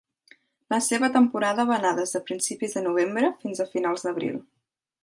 La seva temporada va anar des de principis de novembre fins a finals d'abril.